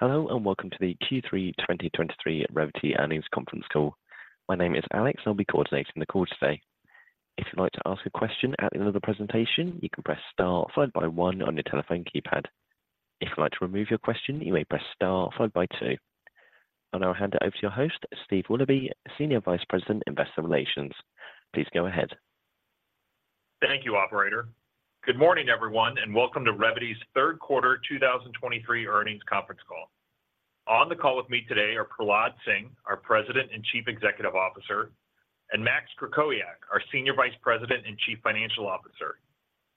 Hello, and welcome to the Q3 2023 Revvity Earnings Conference Call. My name is Alex, and I'll be coordinating the call today. If you'd like to ask a question at the end of the presentation, you can press star followed by one on your telephone keypad. If you'd like to remove your question, you may press star followed by two. I'll hand it over to your host, Steve Willoughby, Senior Vice President, Investor Relations. Please go ahead. Thank you, operator. Good morning, everyone, and welcome to Revvity's third quarter 2023 earnings conference call. On the call with me today are Prahlad Singh, our President and Chief Executive Officer, and Max Krakowiak, our Senior Vice President and Chief Financial Officer.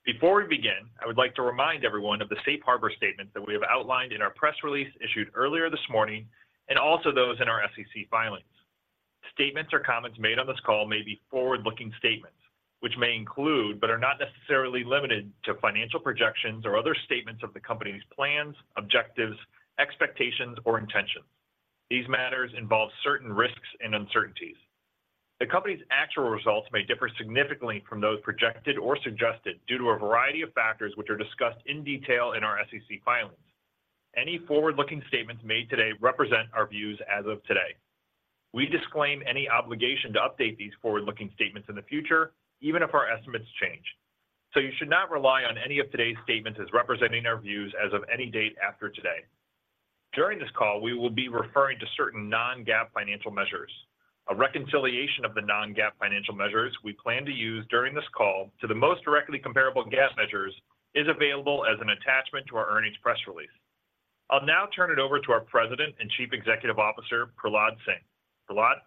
Before we begin, I would like to remind everyone of the safe harbor statement that we have outlined in our press release issued earlier this morning, and also those in our SEC filings. Statements or comments made on this call may be forward-looking statements, which may include, but are not necessarily limited to financial projections or other statements of the company's plans, objectives, expectations, or intentions. These matters involve certain risks and uncertainties. The company's actual results may differ significantly from those projected or suggested due to a variety of factors, which are discussed in detail in our SEC filings. Any forward-looking statements made today represent our views as of today. We disclaim any obligation to update these forward-looking statements in the future, even if our estimates change. So you should not rely on any of today's statements as representing our views as of any date after today. During this call, we will be referring to certain non-GAAP financial measures. A reconciliation of the non-GAAP financial measures we plan to use during this call to the most directly comparable GAAP measures is available as an attachment to our earnings press release. I'll now turn it over to our President and Chief Executive Officer, Prahlad Singh. Prahlad?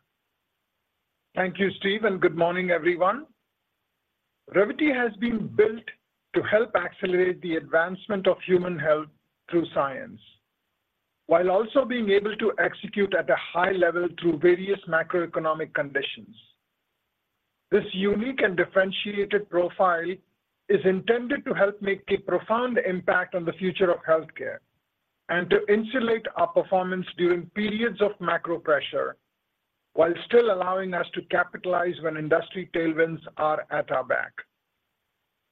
Thank you, Steve, and good morning, everyone. Revvity has been built to help accelerate the advancement of human health through science, while also being able to execute at a high level through various macroeconomic conditions. This unique and differentiated profile is intended to help make a profound impact on the future of healthcare and to insulate our performance during periods of macro pressure, while still allowing us to capitalize when industry tailwinds are at our back.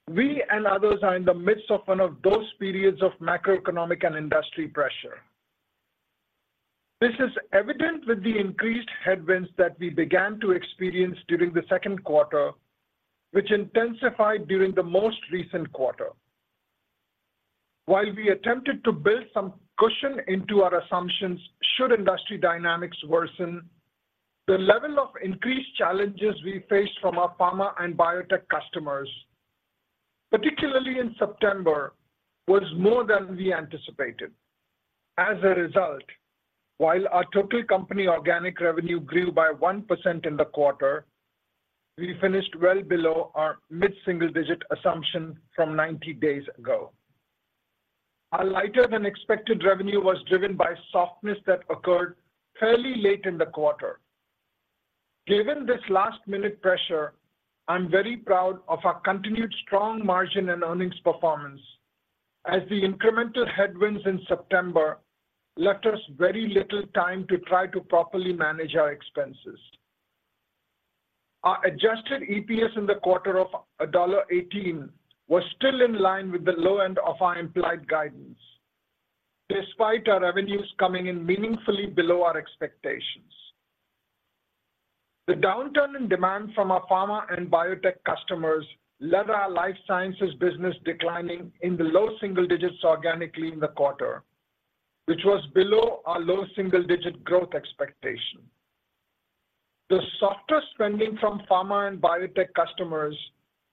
We and others are in the midst of one of those periods of macroeconomic and industry pressure. This is evident with the increased headwinds that we began to experience during the second quarter, which intensified during the most recent quarter. While we attempted to build some cushion into our assumptions, should industry dynamics worsen, the level of increased challenges we faced from our pharma and biotech customers, particularly in September, was more than we anticipated. As a result, while our total company organic revenue grew by 1% in the quarter, we finished well below our mid-single-digit assumption from 90 days ago. Our lighter-than-expected revenue was driven by softness that occurred fairly late in the quarter. Given this last-minute pressure, I'm very proud of our continued strong margin and earnings performance as the incremental headwinds in September left us very little time to try to properly manage our expenses. Our adjusted EPS in the quarter of $1.18 was still in line with the low end of our implied guidance, despite our revenues coming in meaningfully below our expectations. The downturn in demand from our pharma and biotech customers led our Life sciences business declining in the low single digits organically in the quarter, which was below our low single-digit growth expectation. The softer spending from pharma and biotech customers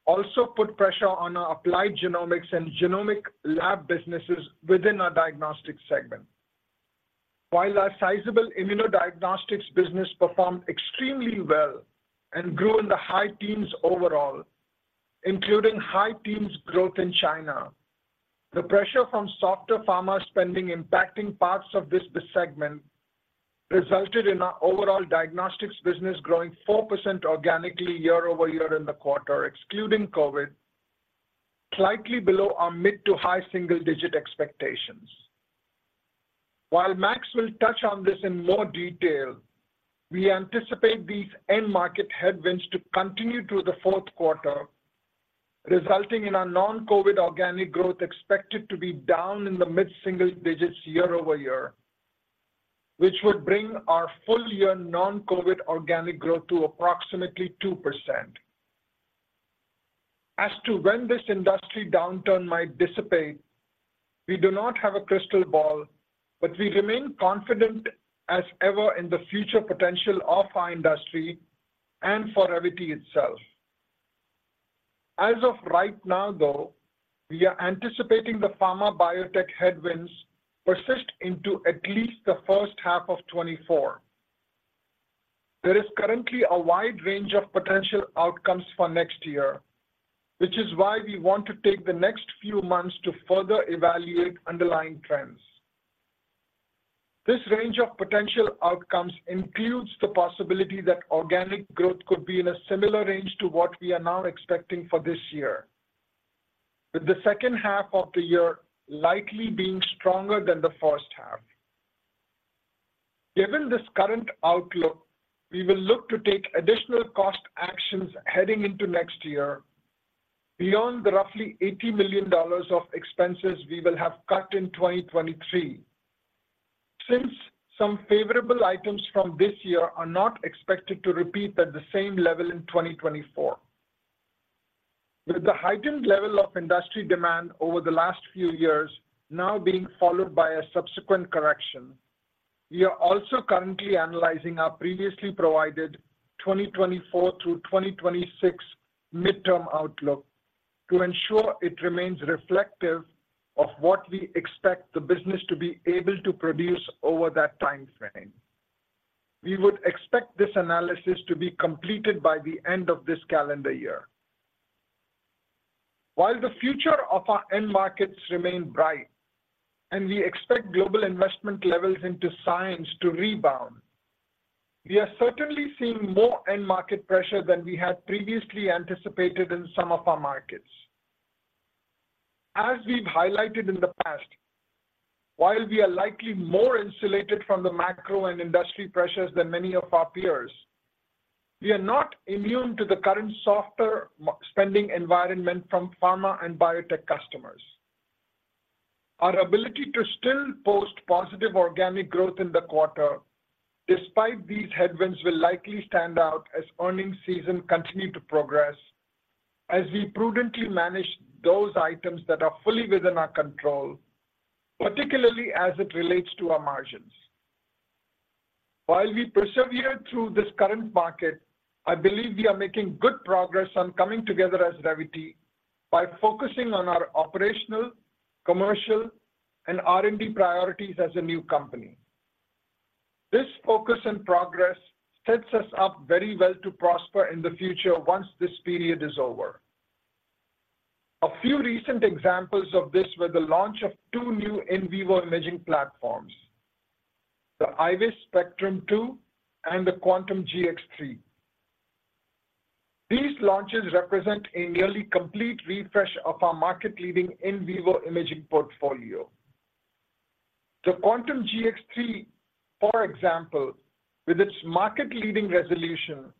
also put pressure on our Applied Genomics and genomic lab businesses within our Diagnostics segment. While our sizable Immunodiagnostics business performed extremely well and grew in the high teens overall, including high teens growth in China, the pressure from softer pharma spending impacting parts of this segment resulted in our overall Diagnostics business growing 4% organically year-over-year in the quarter, excluding COVID, slightly below our mid- to high single-digit expectations. While Max will touch on this in more detail, we anticipate these end-market headwinds to continue through the fourth quarter, resulting in our non-COVID organic growth expected to be down in the mid-single digits year-over-year, which would bring our full-year non-COVID organic growth to approximately 2%. As to when this industry downturn might dissipate, we do not have a crystal ball, but we remain confident as ever in the future potential of our industry and for Revvity itself. As of right now, though, we are anticipating the pharma biotech headwinds persist into at least the first half of 2024. There is currently a wide range of potential outcomes for next year, which is why we want to take the next few months to further evaluate underlying trends. This range of potential outcomes includes the possibility that organic growth could be in a similar range to what we are now expecting for this year, with the second half of the year likely being stronger than the first half. Given this current outlook, we will look to take additional cost actions heading into next year, beyond the roughly $80 million of expenses we will have cut in 2023. Since some favorable items from this year are not expected to repeat at the same level in 2024. With the heightened level of industry demand over the last few years now being followed by a subsequent correction, we are also currently analyzing our previously provided 2024 through 2026 midterm outlook to ensure it remains reflective of what we expect the business to be able to produce over that time frame. We would expect this analysis to be completed by the end of this calendar year. While the future of our end markets remain bright, and we expect global investment levels into science to rebound, we are certainly seeing more end market pressure than we had previously anticipated in some of our markets. As we've highlighted in the past, while we are likely more insulated from the macro and industry pressures than many of our peers, we are not immune to the current softer R&D spending environment from pharma and biotech customers. Our ability to still post positive organic growth in the quarter, despite these headwinds, will likely stand out as earnings season continue to progress as we prudently manage those items that are fully within our control, particularly as it relates to our margins. While we persevere through this current market, I believe we are making good progress on coming together as Revvity by focusing on our operational, commercial, and R&D priorities as a new company. This focus and progress sets us up very well to prosper in the future once this period is over. A few recent examples of this were the launch of two new in vivo imaging platforms, the IVIS Spectrum 2 and the Quantum GX3. These launches represent a nearly complete refresh of our market-leading in vivo imaging portfolio. The Quantum GX3, for example, with its market-leading resolution,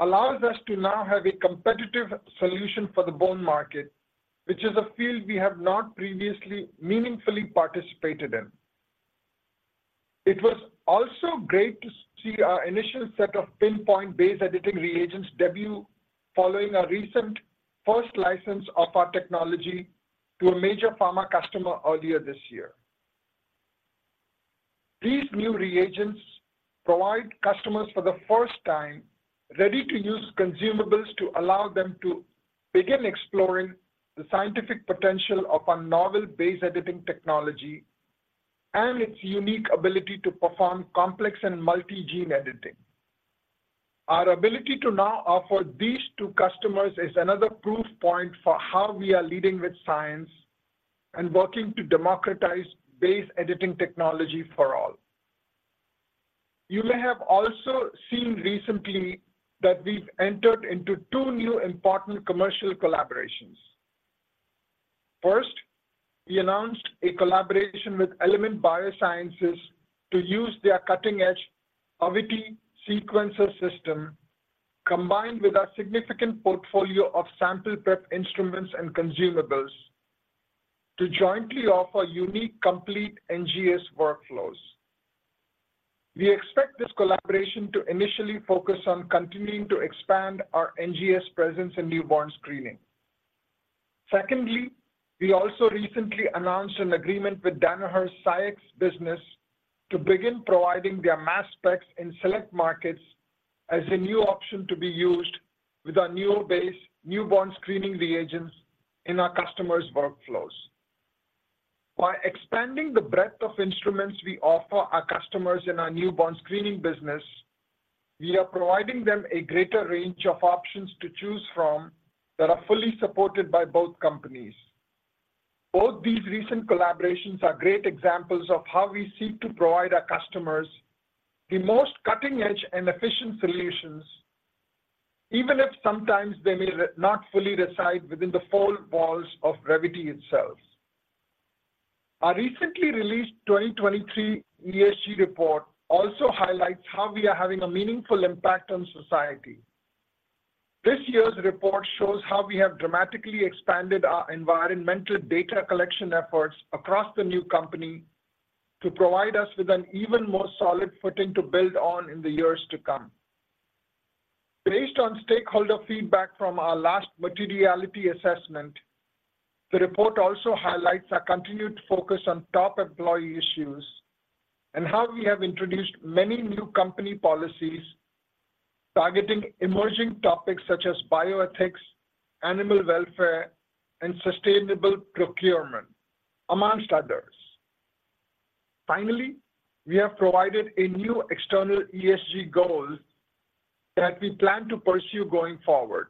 allows us to now have a competitive solution for the bone market, which is a field we have not previously meaningfully participated in. It was also great to see our initial set of Pin-point base editing reagents debut following a recent first license of our technology to a major pharma customer earlier this year. These new reagents provide customers, for the first time, ready-to-use consumables to allow them to begin exploring the scientific potential of our novel base editing technology and its unique ability to perform complex and multi-gene editing. Our ability to now offer these to customers is another proof point for how we are leading with science and working to democratize base editing technology for all. You may have also seen recently that we've entered into two new important commercial collaborations. First, we announced a collaboration with Element Biosciences to use their cutting-edge AVITI sequencer system, combined with our significant portfolio of sample prep instruments and consumables, to jointly offer unique, complete NGS workflows. We expect this collaboration to initially focus on continuing to expand our NGS presence in newborn screening. Secondly, we also recently announced an agreement with Danaher SCIEX business to begin providing their mass specs in select markets as a new option to be used with our new base newborn screening reagents in our customers' workflows. By expanding the breadth of instruments we offer our customers in our newborn screening business, we are providing them a greater range of options to choose from that are fully supported by both companies. Both these recent collaborations are great examples of how we seek to provide our customers the most cutting-edge and efficient solutions, even if sometimes they may not fully reside within the four walls of Revvity itself. Our recently released 2023 ESG report also highlights how we are having a meaningful impact on society. This year's report shows how we have dramatically expanded our environmental data collection efforts across the new company to provide us with an even more solid footing to build on in the years to come. Based on stakeholder feedback from our last materiality assessment, the report also highlights our continued focus on top employee issues and how we have introduced many new company policies targeting emerging topics such as bioethics, animal welfare, and sustainable procurement, among others. Finally, we have provided a new external ESG goal that we plan to pursue going forward.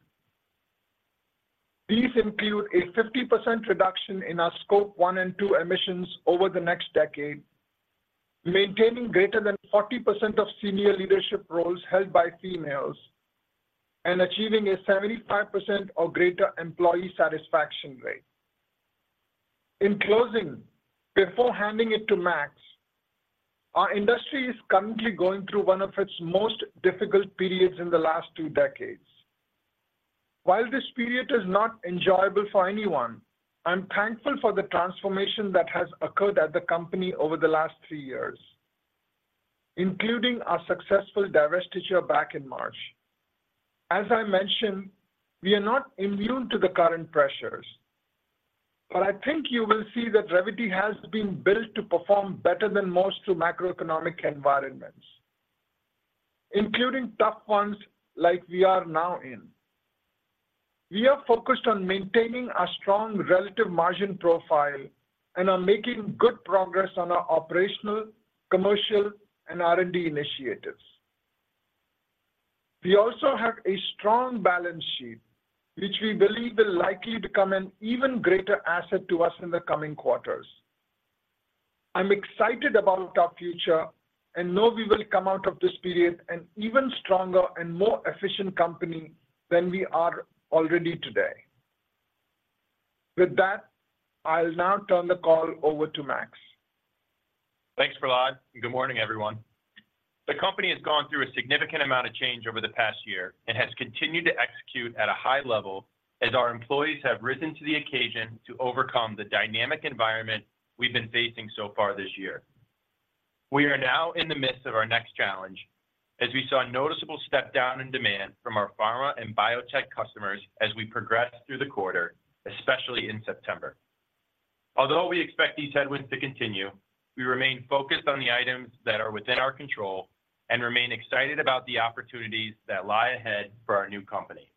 These include a 50% reduction in our Scope 1 and 2 emissions over the next decade, maintaining greater than 40% of senior leadership roles held by females, and achieving a 75% or greater employee satisfaction rate In closing, before handing it to Max, our industry is currently going through one of its most difficult periods in the last two decades. While this period is not enjoyable for anyone, I'm thankful for the transformation that has occurred at the company over the last three years, including our successful divestiture back in March. As I mentioned, we are not immune to the current pressures, but I think you will see that Revvity has been built to perform better than most to macroeconomic environments, including tough ones like we are now in. We are focused on maintaining a strong relative margin profile and are making good progress on our operational, commercial, and R&D initiatives. We also have a strong balance sheet, which we believe will likely become an even greater asset to us in the coming quarters. I'm excited about our future and know we will come out of this period an even stronger and more efficient company than we are already today. With that, I'll now turn the call over to Max. Thanks, Prahlad, and good morning, everyone. The company has gone through a significant amount of change over the past year and has continued to execute at a high level as our employees have risen to the occasion to overcome the dynamic environment we've been facing so far this year. We are now in the midst of our next challenge, as we saw a noticeable step down in demand from our pharma and biotech customers as we progressed through the quarter, especially in September. Although we expect these headwinds to continue, we remain focused on the items that are within our control and remain excited about the opportunities that lie ahead for our new company.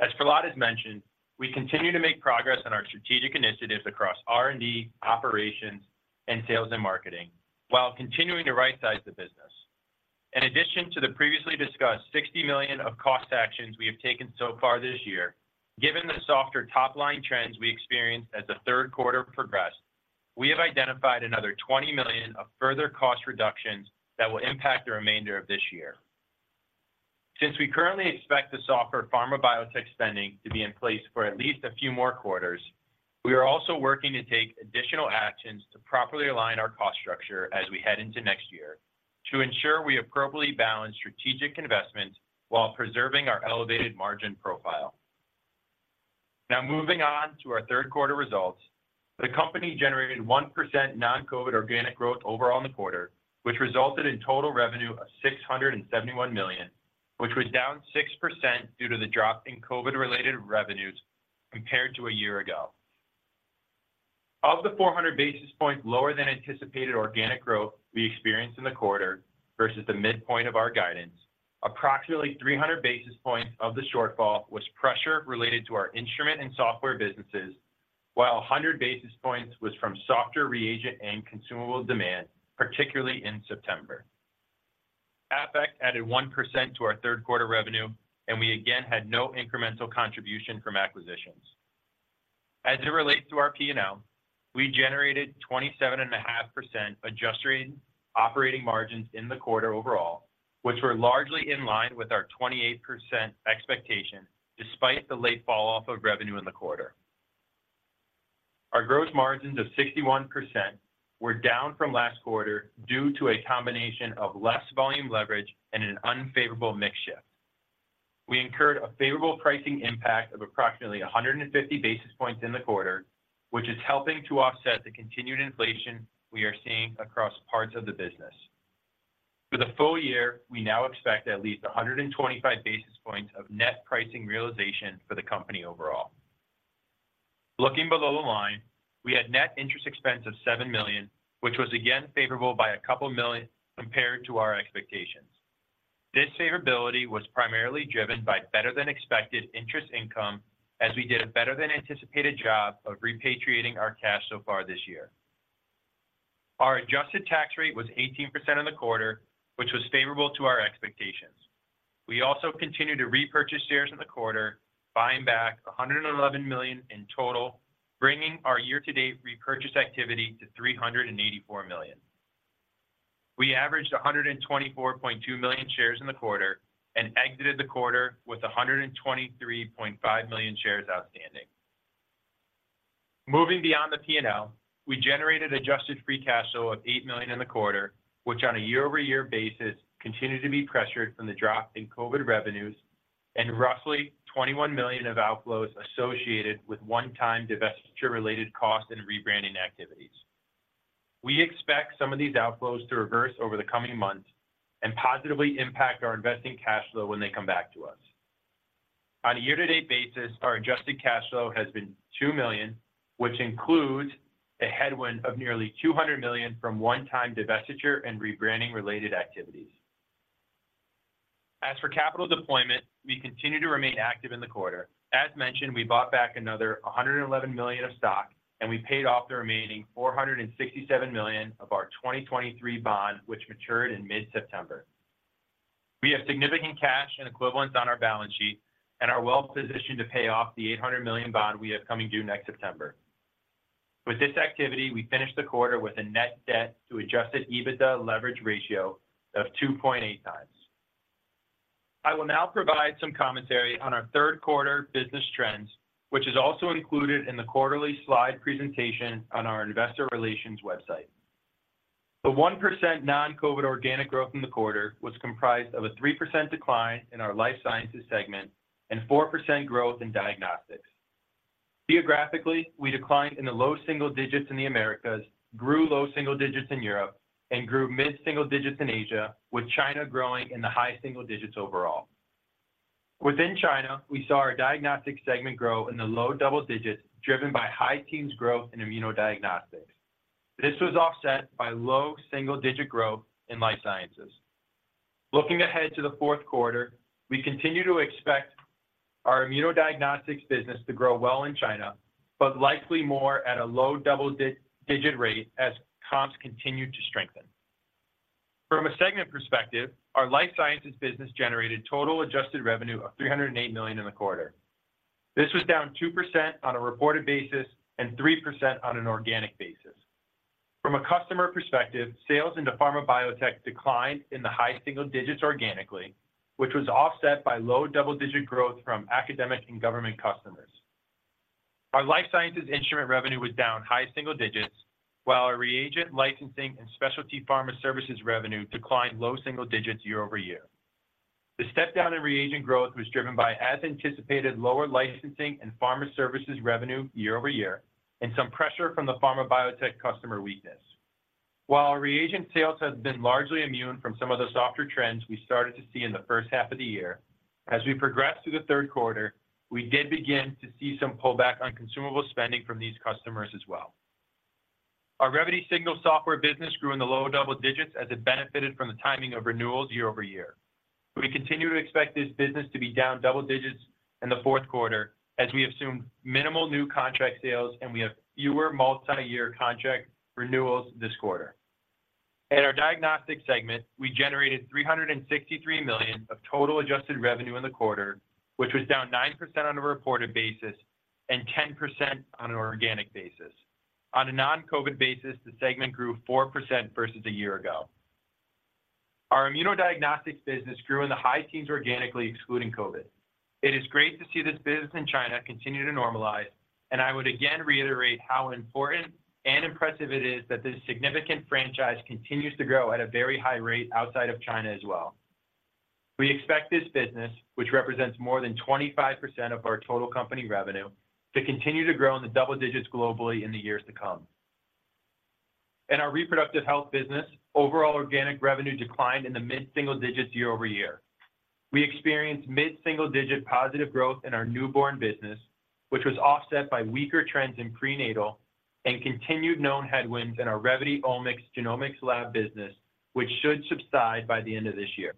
As Prahlad has mentioned, we continue to make progress on our strategic initiatives across R&D, operations, and sales and marketing, while continuing to rightsize the business. In addition to the previously discussed $60 million of cost actions we have taken so far this year, given the softer top-line trends we experienced as the third quarter progressed, we have identified another $20 million of further cost reductions that will impact the remainder of this year. Since we currently expect the softer pharma biotech spending to be in place for at least a few more quarters, we are also working to take additional actions to properly align our cost structure as we head into next year, to ensure we appropriately balance strategic investments while preserving our elevated margin profile. Now, moving on to our third quarter results. The company generated 1% non-COVID organic growth overall in the quarter, which resulted in total revenue of $671 million, which was down 6% due to the drop in COVID-related revenues compared to a year ago. Of the 400 basis points lower than anticipated organic growth we experienced in the quarter versus the midpoint of our guidance, approximately 300 basis points of the shortfall was pressure related to our instrument and software businesses, while 100 basis points was from softer reagent and consumable demand, particularly in September. FX added 1% to our third quarter revenue, and we again had no incremental contribution from acquisitions. As it relates to our P&L, we generated 27.5% adjusted operating margins in the quarter overall, which were largely in line with our 28% expectation, despite the late falloff of revenue in the quarter. Our gross margins of 61% were down from last quarter due to a combination of less volume leverage and an unfavorable mix shift. We incurred a favorable pricing impact of approximately 150 basis points in the quarter, which is helping to offset the continued inflation we are seeing across parts of the business. For the full year, we now expect at least 125 basis points of net pricing realization for the company overall. Looking below the line, we had net interest expense of $7 million, which was again favorable by a couple million compared to our expectations. This favorability was primarily driven by better-than-expected interest income, as we did a better-than-anticipated job of repatriating our cash so far this year. Our adjusted tax rate was 18% in the quarter, which was favorable to our expectations. We also continued to repurchase shares in the quarter, buying back $111 million in total, bringing our year-to-date repurchase activity to $384 million. We averaged 124.2 million shares in the quarter and exited the quarter with 123.5 million shares outstanding. Moving beyond the P&L, we generated adjusted free cash flow of $8 million in the quarter, which on a year-over-year basis, continued to be pressured from the drop in COVID revenues and roughly $21 million of outflows associated with one-time divestiture-related costs and rebranding activities. We expect some of these outflows to reverse over the coming months and positively impact our investing cash flow when they come back to us. On a year-to-date basis, our adjusted cash flow has been $2 million, which includes a headwind of nearly $200 million from one-time divestiture and rebranding related activities. As for capital deployment, we continue to remain active in the quarter. As mentioned, we bought back another $111 million of stock, and we paid off the remaining $467 million of our 2023 bond, which matured in mid-September. We have significant cash and equivalents on our balance sheet and are well positioned to pay off the $800 million bond we have coming due next September. With this activity, we finished the quarter with a net debt to Adjusted EBITDA leverage ratio of 2.8 times. I will now provide some commentary on our third quarter business trends, which is also included in the quarterly slide presentation on our investor relations website. The 1% non-COVID organic growth in the quarter was comprised of a 3% decline in our Life Sciences segment and 4% growth in Diagnostics. Geographically, we declined in the low single digits in the Americas, grew low single digits in Europe, and grew mid-single digits in Asia, with China growing in the high single digits overall. Within China, we saw our diagnostic segment grow in the low double digits, driven by high teens growth in immunodiagnostics. This was offset by low single-digit growth in life sciences. Looking ahead to the fourth quarter, we continue to expect our immunodiagnostics business to grow well in China, but likely more at a low double-digit rate as comps continue to strengthen. From a segment perspective, our life sciences business generated total adjusted revenue of $308 million in the quarter. This was down 2% on a reported basis and 3% on an organic basis. From a customer perspective, sales into pharma biotech declined in the high-single-digits organically, which was offset by low-double-digit growth from academic and government customers. Our life sciences instrument revenue was down high single digits, while our reagent, licensing, and specialty pharma services revenue declined low-single-digits year-over-year. The step-down in reagent growth was driven by, as anticipated, lower licensing and pharma services revenue year-over-year, and some pressure from the pharma biotech customer weakness. While our reagent sales have been largely immune from some of the softer trends we started to see in the first half of the year, as we progressed through the third quarter, we did begin to see some pullback on consumable spending from these customers as well. Our Revvity Signals software business grew in the low double digits as it benefited from the timing of renewals year-over-year. We continue to expect this business to be down double digits in the fourth quarter as we assume minimal new contract sales, and we have fewer multi-year contract renewals this quarter. In our diagnostics segment, we generated $363 million of total adjusted revenue in the quarter, which was down 9% on a reported basis and 10% on an organic basis. On a non-COVID basis, the segment grew 4% versus a year ago. Our immunodiagnostics business grew in the high teens organically, excluding COVID. It is great to see this business in China continue to normalize, and I would again reiterate how important and impressive it is that this significant franchise continues to grow at a very high rate outside of China as well. We expect this business, which represents more than 25% of our total company revenue, to continue to grow in the double digits globally in the years to come. In our Reproductive Health business, overall organic revenue declined in the mid-single digits year-over-year. We experienced mid-single-digit positive growth in our newborn business, which was offset by weaker trends in prenatal and continued known headwinds in our Revvity Omics genomics lab business, which should subside by the end of this year.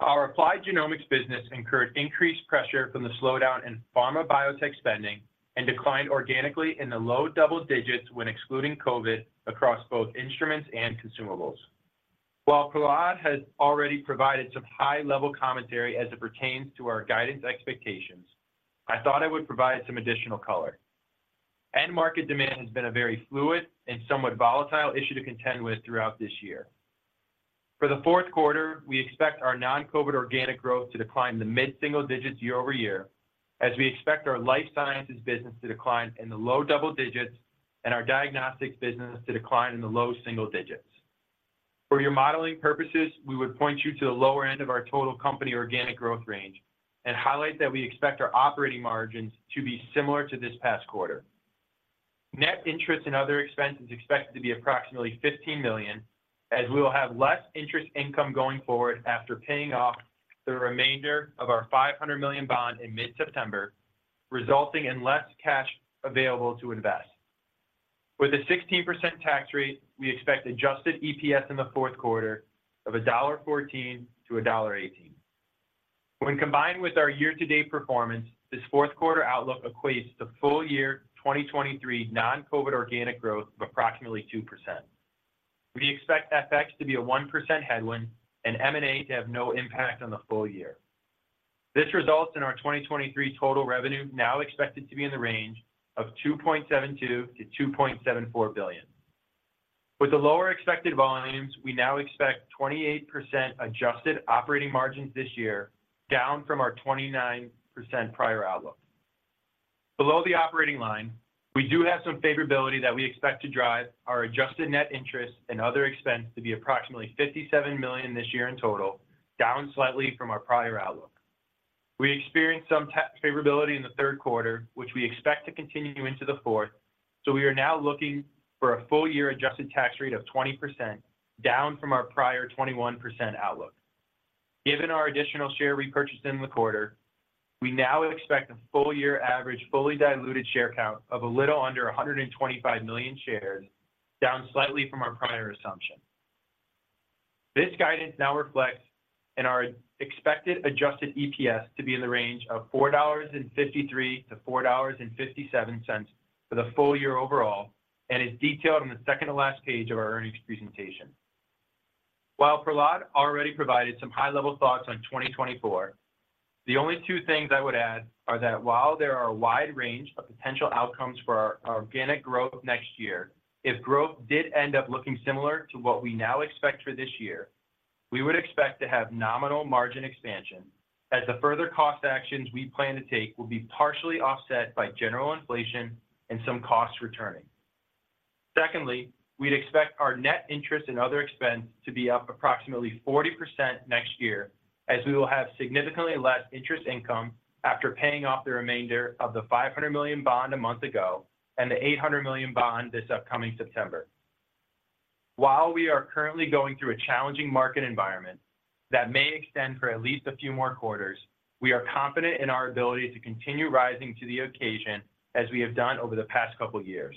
Our Applied Genomics business incurred increased pressure from the slowdown in pharma biotech spending and declined organically in the low double digits when excluding COVID, across both instruments and consumables. While Prahlad has already provided some high-level commentary as it pertains to our guidance expectations, I thought I would provide some additional color. End market demand has been a very fluid and somewhat volatile issue to contend with throughout this year. For the fourth quarter, we expect our non-COVID organic growth to decline in the mid-single digits year-over-year, as we expect our life sciences business to decline in the low double digits and our diagnostics business to decline in the low single digits. For your modeling purposes, we would point you to the lower end of our total company organic growth range and highlight that we expect our operating margins to be similar to this past quarter. Net interest and other expenses are expected to be approximately $15 million, as we will have less interest income going forward after paying off the remainder of our $500 million bond in mid-September, resulting in less cash available to invest. With a 16% tax rate, we expect Adjusted EPS in the fourth quarter of $1.14-$1.18. When combined with our year-to-date performance, this fourth-quarter outlook equates to full-year 2023 non-COVID organic growth of approximately 2%. We expect FX to be a 1% headwind and M&A to have no impact on the full year. This results in our 2023 total revenue now expected to be in the range of $2.72-$2.74 billion. With the lower expected volumes, we now expect 28% adjusted operating margins this year, down from our 29% prior outlook. Below the operating line, we do have some favorability that we expect to drive our adjusted net interest and other expense to be approximately $57 million this year in total, down slightly from our prior outlook. We experienced some tax favorability in the third quarter, which we expect to continue into the fourth, so we are now looking for a full-year adjusted tax rate of 20%, down from our prior 21% outlook. Given our additional share repurchased in the quarter, we now expect a full-year average, fully diluted share count of a little under 125 million shares, down slightly from our prior assumption. This guidance now reflects in our expected adjusted EPS to be in the range of $4.53-$4.57 for the full year overall and is detailed on the second to last page of our earnings presentation. While Prahlad already provided some high-level thoughts on 2024 The only two things I would add are that while there are a wide range of potential outcomes for our organic growth next year, if growth did end up looking similar to what we now expect for this year, we would expect to have nominal margin expansion, as the further cost actions we plan to take will be partially offset by general inflation and some costs returning. Secondly, we'd expect our net interest and other expenses to be up approximately 40% next year, as we will have significantly less interest income after paying off the remainder of the $500 million bond a month ago and the $800 million bond this upcoming September. While we are currently going through a challenging market environment that may extend for at least a few more quarters, we are confident in our ability to continue rising to the occasion as we have done over the past couple of years.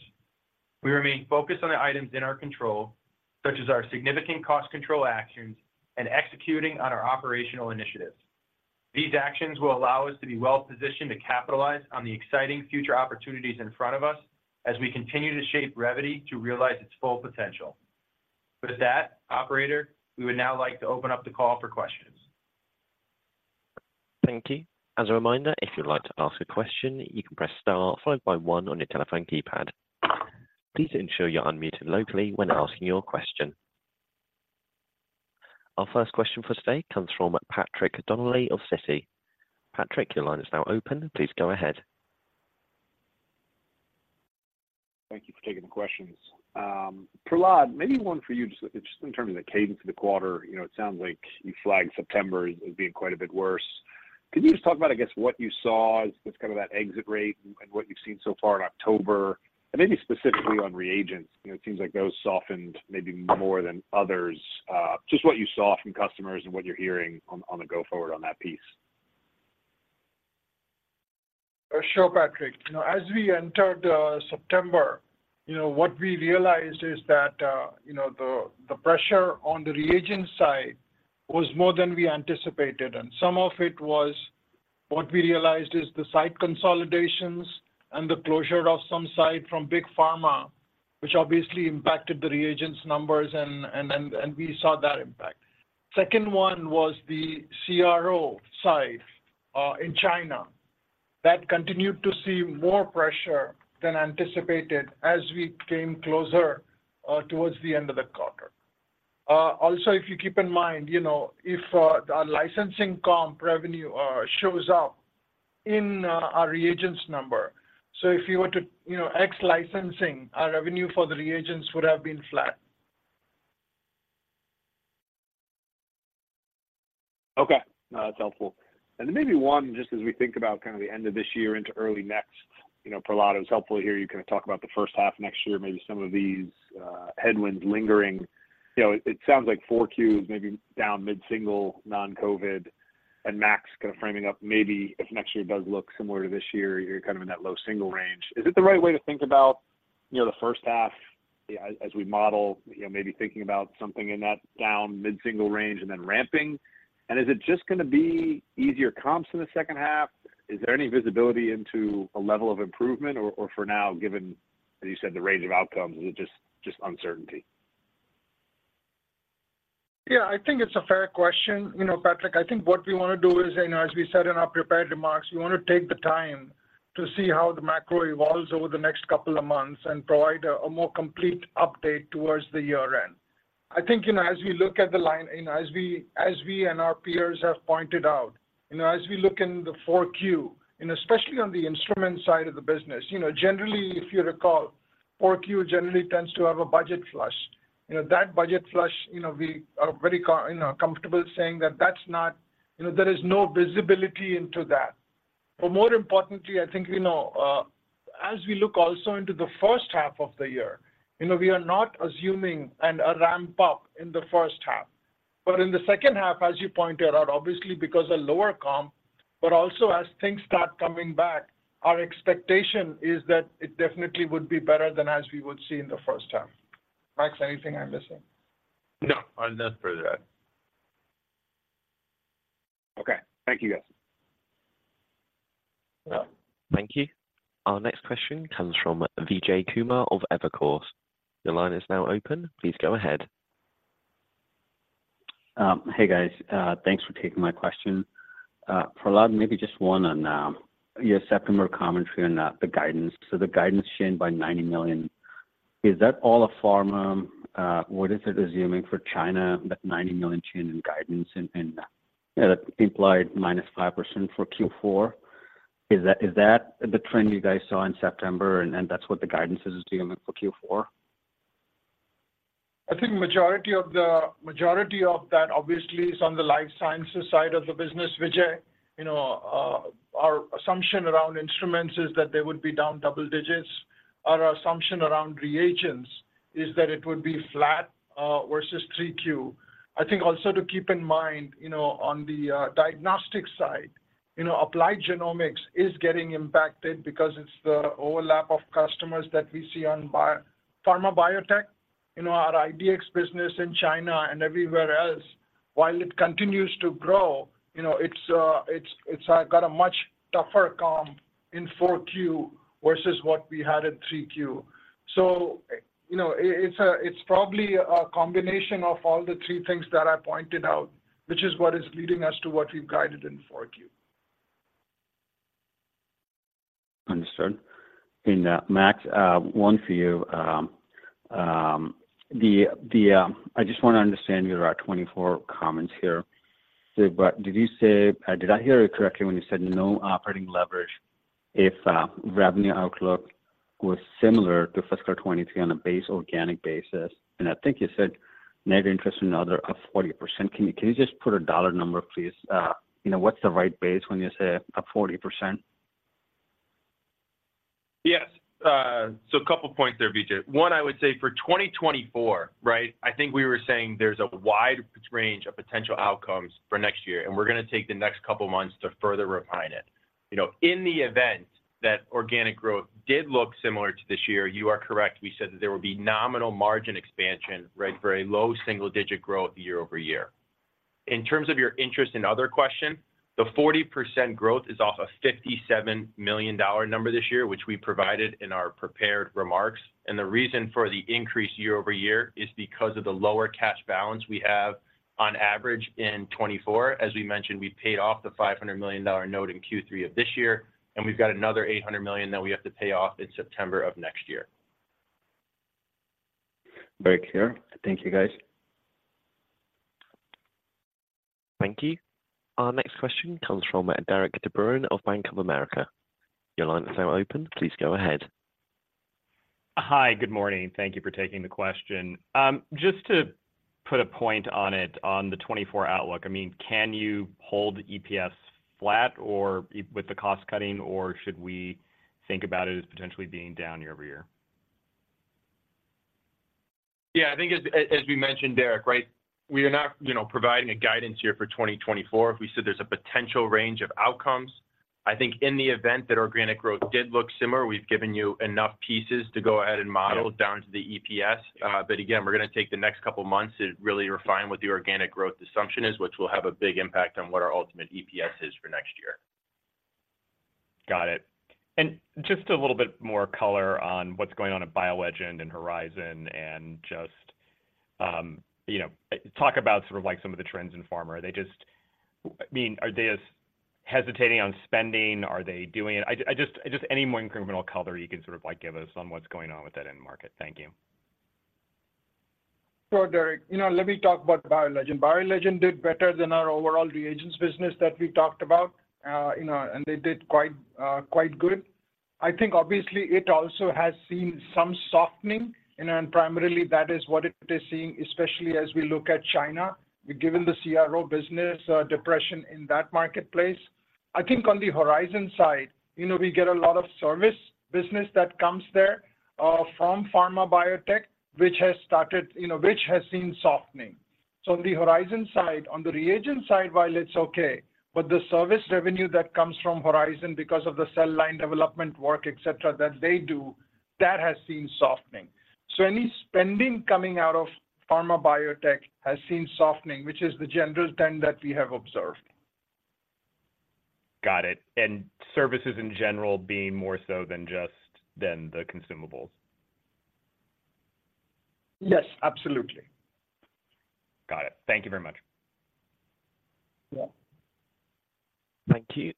We remain focused on the items in our control, such as our significant cost control actions and executing on our operational initiatives. These actions will allow us to be well-positioned to capitalize on the exciting future opportunities in front of us as we continue to shape Revvity to realize its full potential. With that, operator, we would now like to open up the call for questions. Thank you. As a reminder, if you'd like to ask a question, you can press star followed by one on your telephone keypad. Please ensure you're unmuted locally when asking your question. Our first question for today comes from Patrick Donnelly of Citi. Patrick, your line is now open. Please go ahead. Thank you for taking the questions. Prahlad, maybe one for you, just, just in terms of the cadence of the quarter, you know, it sounds like you flagged September as being quite a bit worse. Could you just talk about, I guess, what you saw as kind of that exit rate and what you've seen so far in October? And maybe specifically on reagents. You know, it seems like those softened maybe more than others. Just what you saw from customers and what you're hearing on, on the go forward on that piece. Sure, Patrick. You know, as we entered September, you know, what we realized is that you know the pressure on the reagent side was more than we anticipated, and some of it was what we realized is the site consolidations and the closure of some site from Big Pharma, which obviously impacted the reagents numbers, and we saw that impact. Second one was the CRO side in China. That continued to see more pressure than anticipated as we came closer towards the end of the quarter. Also, if you keep in mind, you know, if our licensing comp revenue shows up in our reagents number. So if you were to, you know, X licensing, our revenue for the reagents would have been flat. Okay. No, that's helpful. And then maybe one, just as we think about kind of the end of this year into early next, you know, Prahlad, it was helpful to hear you kind of talk about the first half next year, maybe some of these headwinds lingering. You know, it sounds like Q4 is maybe down mid-single, non-COVID, and Max kind of framing up, maybe if next year does look similar to this year, you're kind of in that low single range. Is it the right way to think about, you know, the first half as we model, you know, maybe thinking about something in that down mid-single range and then ramping? And is it just gonna be easier comps in the second half? Is there any visibility into a level of improvement or, or for now, given, as you said, the range of outcomes, is it just, just uncertainty? Yeah, I think it's a fair question. You know, Patrick, I think what we wanna do is, you know, as we said in our prepared remarks, we wanna take the time to see how the macro evolves over the next couple of months and provide a more complete update towards the year end. I think, you know, as we look at the line, you know, as we and our peers have pointed out, you know, as we look in the Q4, and especially on the instrument side of the business, you know, generally, if you recall, Q4 generally tends to have a budget flush. You know, that budget flush, you know, we are very, you know, comfortable saying that that's not, you know, there is no visibility into that. But more importantly, I think, you know, as we look also into the first half of the year, you know, we are not assuming a ramp-up in the first half, but in the second half, as you pointed out, obviously because a lower comp, but also as things start coming back, our expectation is that it definitely would be better than as we would see in the first half. Max, anything I'm missing? No, I'm done for that. Okay. Thank you, guys. Thank you. Our next question comes from Vijay Kumar of Evercore. Your line is now open. Please go ahead. Hey, guys, thanks for taking my question. Prahlad, maybe just one on, your September commentary on the, the guidance. So the guidance changed by $90 million. Is that all a pharma? What is it assuming for China, that $90 million change in guidance and, and, that implied -5% for Q4? Is that, is that the trend you guys saw in September, and, and that's what the guidance is assuming for Q4? I think majority of that obviously is on the life sciences side of the business, Vijay. You know, our assumption around instruments is that they would be down double digits. Our assumption around reagents is that it would be flat versus three Q. I think also to keep in mind, you know, on the diagnostic side, you know, Applied Genomics is getting impacted because it's the overlap of customers that we see on biopharma biotech. You know, our IDX business in China and everywhere else, while it continues to grow, you know, it's got a much tougher comp in four Q versus what we had in three Q. So, you know, it's probably a combination of all the three things that I pointed out, which is leading us to what we've guided in Q4. registered. And, Max, one for you. I just want to understand, there are 24 comments here. So but did you say, did I hear it correctly when you said no operating leverage if revenue outlook was similar to fiscal 2023 on a base organic basis? And I think you said net interest and other of 40%. Can you just put a dollar number, please? You know, what's the right base when you say up 40%? Yes. So a couple points there, Vijay. One, I would say for 2024, right? I think we were saying there's a wide range of potential outcomes for next year, and we're going to take the next couple of months to further refine it. You know, in the event that organic growth did look similar to this year, you are correct. We said that there would be nominal margin expansion, right? For a low single-digit growth year-over-year. In terms of your interest, in other question, the 40% growth is off a $57 million number this year, which we provided in our prepared remarks. And the reason for the increase year-over-year is because of the lower cash balance we have on average in 2024. As we mentioned, we paid off the $500 million note in Q3 of this year, and we've got another $800 million that we have to pay off in September of next year. Very clear. Thank you, guys. Thank you. Our next question comes from Derik De Bruin of Bank of America. Your line is now open. Please go ahead. Hi, good morning. Thank you for taking the question. Just to put a point on it, on the 2024 outlook, I mean, can you hold EPS flat or with the cost cutting, or should we think about it as potentially being down year-over-year? Yeah, I think as, as we mentioned, Derek, right, we are not, you know, providing a guidance here for 2024. If we said there's a potential range of outcomes, I think in the event that organic growth did look similar, we've given you enough pieces to go ahead and model down to the EPS. But again, we're going to take the next couple of months to really refine what the organic growth assumption is, which will have a big impact on what our ultimate EPS is for next year. Got it. And just a little bit more color on what's going on at BioLegend and Horizon, and just, you know, talk about sort of like some of the trends in pharma. Are they just, I mean, are they as hesitating on spending? Are they doing it? I just, just any more incremental color you can sort of, like, give us on what's going on with that end market. Thank you. So, Derek, you know, let me talk about BioLegend. BioLegend did better than our overall reagents business that we talked about, you know, and they did quite, quite good. I think obviously it also has seen some softening, and primarily that is what it is seeing, especially as we look at China, given the CRO business depression in that marketplace. I think on the Horizon side, you know, we get a lot of service business that comes there from pharma biotech, which has started, you know, which has seen softening. So on the Horizon side, on the reagent side, while it's okay, but the service revenue that comes from Horizon, because of the cell line development work, et cetera, that has seen softening. Any spending coming out of pharma biotech has seen softening, which is the general trend that we have observed. Got it. And services in general being more so than just, than the consumables? Yes, absolutely. Got it. Thank you very much. Yeah. Thank you.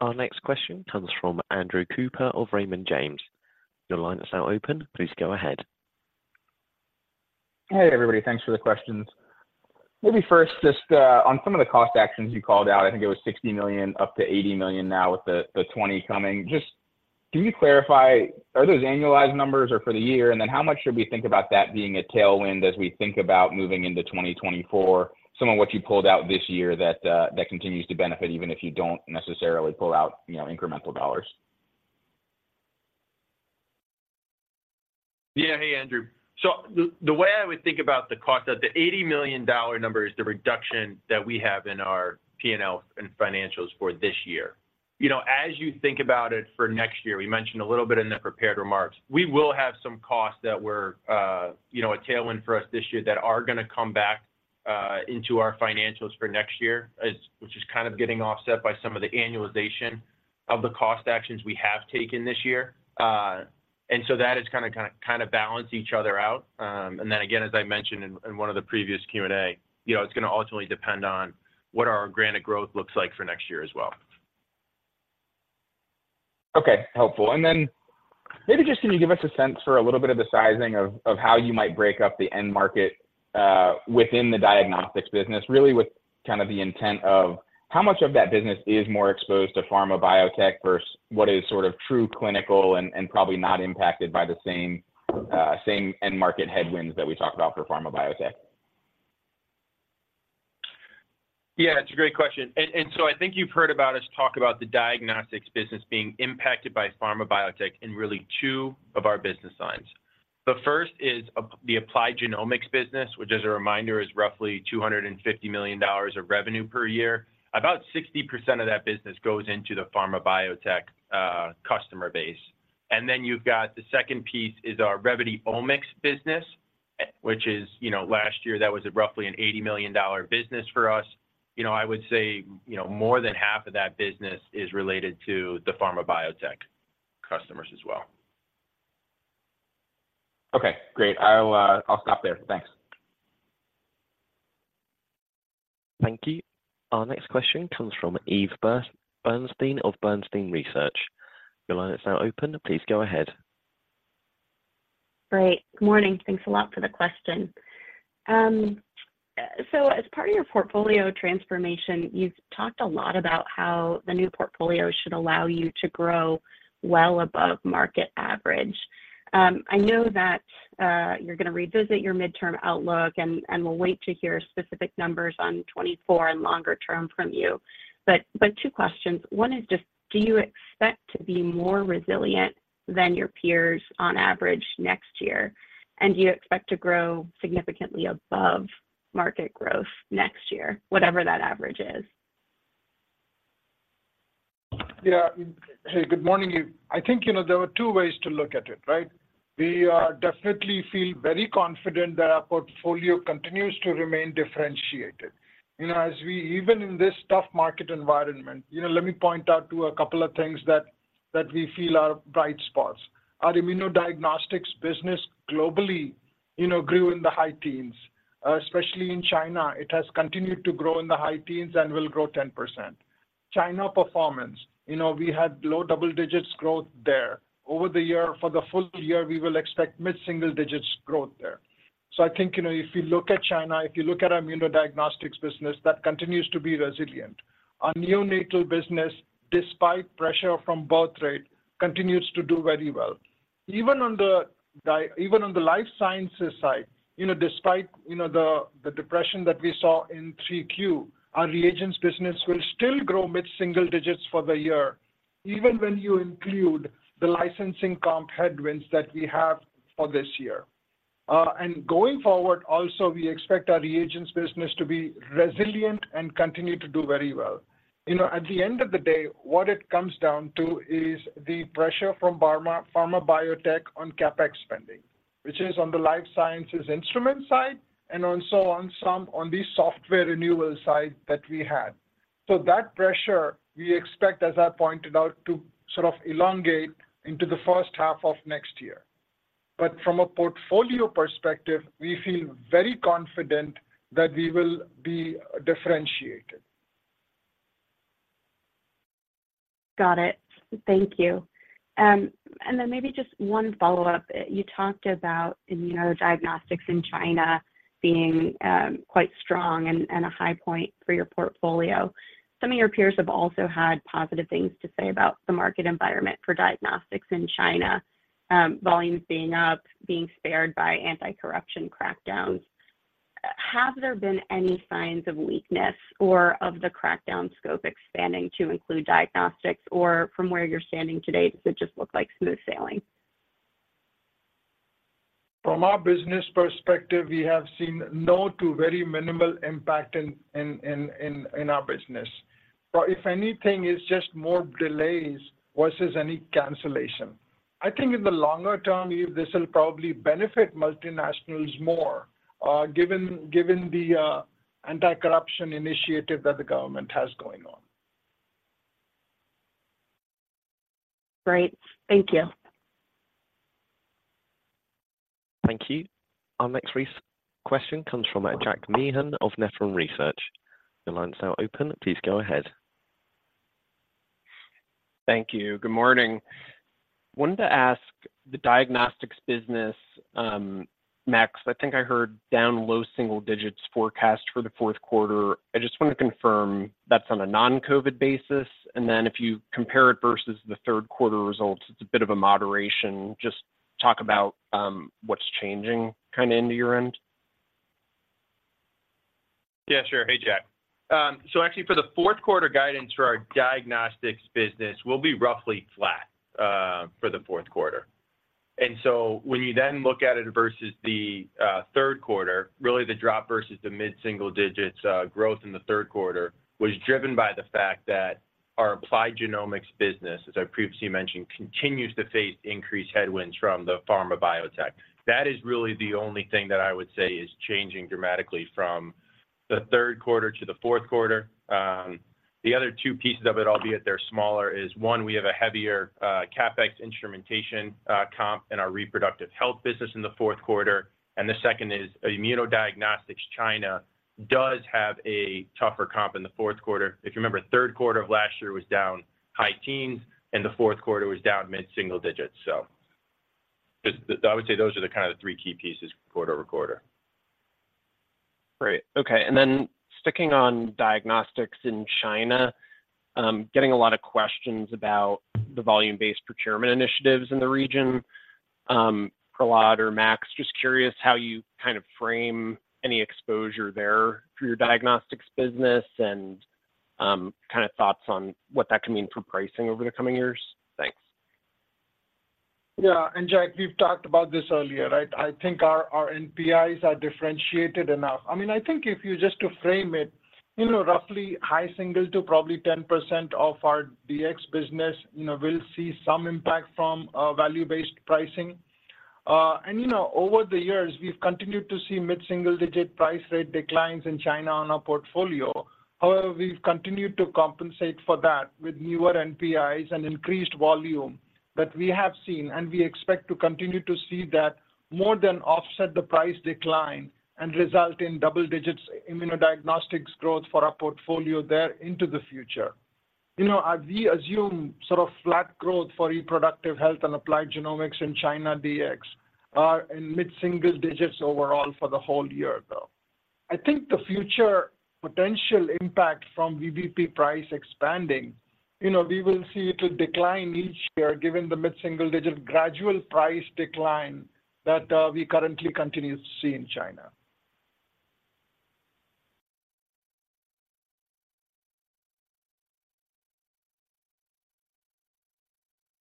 Our next question comes from Andrew Cooper of Raymond James. Your line is now open. Please go ahead. Hey, everybody, thanks for the questions. Maybe first, just, on some of the cost actions you called out, I think it was $60 million, up to $80 million now with the, the $20 million coming. Just can you clarify, are those annualized numbers or for the year? And then how much should we think about that being a tailwind as we think about moving into 2024, some of what you pulled out this year that, that continues to benefit, even if you don't necessarily pull out, you know, incremental dollars? Yeah. Hey, Andrew. So the way I would think about the cost, the $80 million number is the reduction that we have in our P&L and financials for this year. You know, as you think about it for next year, we mentioned a little bit in the prepared remarks, we will have some costs that were, you know, a tailwind for us this year that are going to come back into our financials for next year. Which is kind of getting offset by some of the annualization of the cost actions we have taken this year. And so that is kind of balance each other out. And then again, as I mentioned in one of the previous Q&A, you know, it's going to ultimately depend on what our organic growth looks like for next year as well. Okay, helpful. And then maybe just can you give us a sense for a little bit of the sizing of, of how you might break up the end market, within the diagnostics business, really with kind of the intent of how much of that business is more exposed to pharma biotech versus what is sort of true clinical and, and probably not impacted by the same, same end market headwinds that we talked about for pharma biotech? Yeah, it's a great question, and, and so I think you've heard about us talk about the diagnostics business being impacted by pharma biotech in really two of our business lines. The first is the Applied Genomics business, which as a reminder, is roughly $250 million of revenue per year. About 60% of that business goes into the pharma biotech customer base. And then you've got the second piece is our Revvity Omics business, which is, you know, last year that was roughly an $80 million business for us. You know, I would say, you know, more than half of that business is related to the pharma biotech customers as well. Okay, great. I'll, I'll stop there. Thanks. Thank you. Our next question comes from Eve Burstein of Bernstein Research. Your line is now open. Please go ahead. Great. Good morning. Thanks a lot for the question. So as part of your portfolio transformation, you've talked a lot about how the new portfolio should allow you to grow well above market average. I know that you're going to revisit your midterm outlook, and we'll wait to hear specific numbers on 2024 and longer term from you. But two questions: One is just, do you expect to be more resilient than your peers on average next year? And do you expect to grow significantly above market growth next year, whatever that average is? Yeah. Hey, good morning, Eve. I think, you know, there are two ways to look at it, right? We definitely feel very confident that our portfolio continues to remain differentiated. You know, as we even in this tough market environment, you know, let me point out to a couple of things that we feel are bright spots. Our immunodiagnostics business globally, you know, grew in the high teens, especially in China. It has continued to grow in the high teens and will grow 10%. China performance, you know, we had low double digits growth there. Over the year for the full year, we will expect mid-single digits growth there. So I think, you know, if you look at China, if you look at our immunodiagnostics business, that continues to be resilient. Our neonatal business, despite pressure from birth rate, continues to do very well. Even on the life sciences side, you know, despite the depression that we saw in Q3, our reagents business will still grow mid-single digits for the year, even when you include the licensing comp headwinds that we have for this year. And going forward, also, we expect our reagents business to be resilient and continue to do very well. You know, at the end of the day, what it comes down to is the pressure from pharma biotech on CapEx spending, which is on the life sciences instrument side and also on some of the software renewal side that we had. So that pressure, we expect, as I pointed out, to sort of elongate into the first half of next year. But from a portfolio perspective, we feel very confident that we will be differentiated. Got it. Thank you. And then maybe just one follow-up. You talked about immunodiagnostics in China being quite strong and a high point for your portfolio. Some of your peers have also had positive things to say about the market environment for diagnostics in China, volumes being up, being spared by anti-corruption crackdowns. Have there been any signs of weakness or of the crackdown scope expanding to include diagnostics, or from where you're standing today, does it just look like smooth sailing? From our business perspective, we have seen no to very minimal impact in our business. But if anything, it's just more delays versus any cancellation. I think in the longer term, Eve, this will probably benefit multinationals more, given the anti-corruption initiative that the government has going on. Great. Thank you. Thank you. Our next question comes from Jack Meehan of Nephron Research. Your line is now open. Please go ahead. Thank you. Good morning. Wanted to ask the diagnostics business, Max, I think I heard down low single digits forecast for the fourth quarter. I just want to confirm that's on a non-COVID basis, and then if you compare it versus the third quarter results, it's a bit of a moderation. Just talk about, what's changing kind of into your end. Yeah, sure. Hey, Jack. So actually, for the fourth quarter guidance for our diagnostics business, we'll be roughly flat for the fourth quarter. And so when you then look at it versus the third quarter, really the drop versus the mid-single digits growth in the third quarter was driven by the fact that our Applied Genomics business, as I previously mentioned, continues to face increased headwinds from the pharma biotech. That is really the only thing that I would say is changing dramatically from the third quarter to the fourth quarter. The other two pieces of it, albeit they're smaller, is one, we have a heavier CapEx instrumentation comp in our Reproductive Health business in the fourth quarter, and the second is Immunodiagnostics China does have a tougher comp in the fourth quarter. If you remember, third quarter of last year was down high teens, and the fourth quarter was down mid-single digits. So just, I would say those are the kind of three key pieces quarter-over-quarter. Great. Okay, and then sticking on diagnostics in China, getting a lot of questions about the Volume-Based Procurement initiatives in the region. Prahlad or Max, just curious how you kind of frame any exposure there through your diagnostics business and, kind of thoughts on what that can mean for pricing over the coming years. Thanks. Yeah, Jack, we've talked about this earlier, right? I think our NPIs are differentiated enough. I mean, I think if you just to frame it, you know, roughly high single to probably 10% of our DX business, you know, will see some impact from value-based pricing. You know, over the years, we've continued to see mid-single-digit price rate declines in China on our portfolio. However, we've continued to compensate for that with newer NPIs and increased volume... we have seen, and we expect to continue to see, that more than offset the price decline and result in double digits immunodiagnostics growth for our portfolio there into the future. You know, as we assume sort of flat growth for Reproductive Health and Applied Genomics in China, DX are in mid-single digits overall for the whole year, though. I think the future potential impact from VBP price expanding, you know, we will see it will decline each year, given the mid-single-digit gradual price decline that we currently continue to see in China.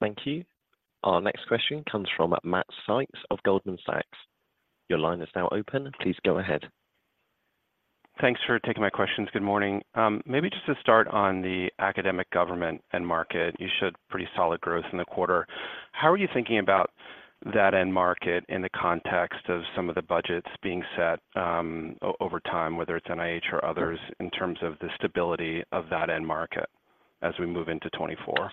Thank you. Our next question comes from Matt Sykes of Goldman Sachs. Your line is now open. Please go ahead. Thanks for taking my questions. Good morning. Maybe just to start on the academic government end market, you showed pretty solid growth in the quarter. How are you thinking about that end market in the context of some of the budgets being set, over time, whether it's NIH or others, in terms of the stability of that end market as we move into 2024?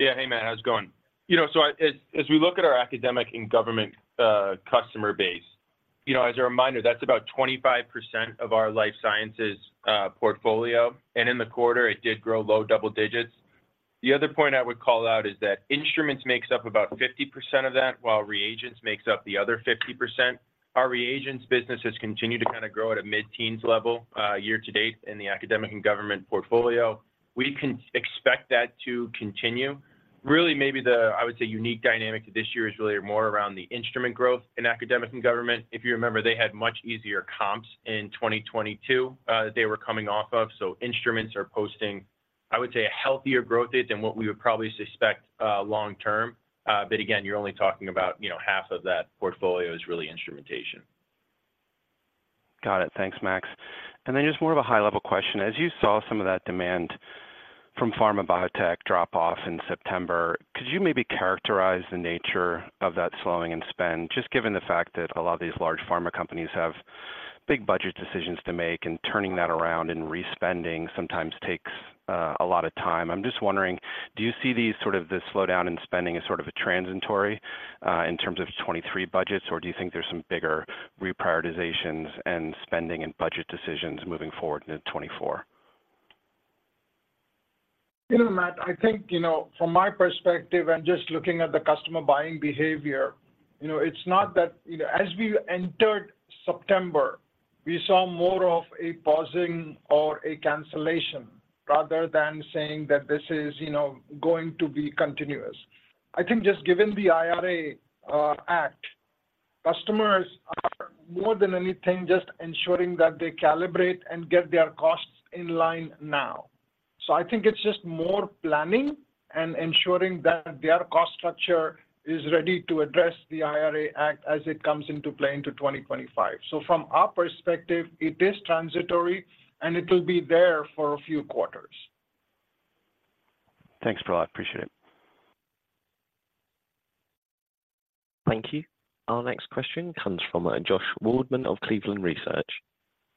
Yeah. Hey, Matt, how's it going? You know, so I, as we look at our academic and government customer base, you know, as a reminder, that's about 25% of our life sciences portfolio, and in the quarter, it did grow low double digits. The other point I would call out is that instruments makes up about 50% of that, while reagents makes up the other 50%. Our reagents business has continued to kind of grow at a mid-teens level year to date in the academic and government portfolio. We can expect that to continue. Really, maybe the, I would say, unique dynamic to this year is really more around the instrument growth in academic and government. If you remember, they had much easier comps in 2022, that they were coming off of, so instruments are posting, I would say, a healthier growth rate than what we would probably suspect, long term. But again, you're only talking about, you know, half of that portfolio is really instrumentation. Got it. Thanks, Max. And then just more of a high-level question: as you saw some of that demand from pharma biotech drop off in September, could you maybe characterize the nature of that slowing in spend, just given the fact that a lot of these large pharma companies have big budget decisions to make, and turning that around and respending sometimes takes a lot of time. I'm just wondering, do you see these sort of slowdown in spending as sort of a transitory in terms of 2023 budgets? Or do you think there's some bigger reprioritizations and spending and budget decisions moving forward into 2024? You know, Matt, I think, you know, from my perspective and just looking at the customer buying behavior, you know, it's not that, you know, as we entered September, we saw more of a pausing or a cancellation, rather than saying that this is, you know, going to be continuous. I think just given the IRA Act, customers are more than anything just ensuring that they calibrate and get their costs in line now. So I think it's just more planning and ensuring that their cost structure is ready to address the IRA Act as it comes into play into 2025. So from our perspective, it is transitory, and it will be there for a few quarters. Thanks, Prahlad. I appreciate it. Thank you. Our next question comes from Josh Waldman of Cleveland Research.